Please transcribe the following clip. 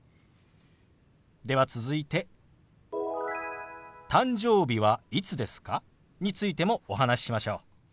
では続いて「誕生日はいつですか？」についてもお話ししましょう。